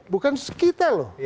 bukan sekitar loh